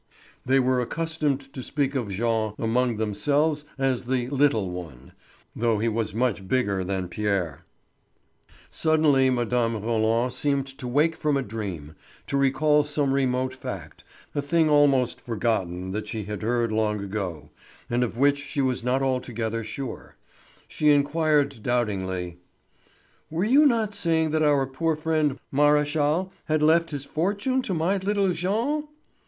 They were accustomed to speak of Jean among themselves as the "little one," though he was much bigger than Pierre. Suddenly Mme. Roland seemed to wake from a dream, to recall some remote fact, a thing almost forgotten that she had heard long ago, and of which she was not altogether sure. She inquired doubtingly: "Were you not saying that our poor friend Maréchal had left his fortune to my little Jean?"